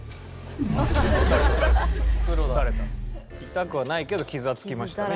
痛くはないけど傷はつきましたね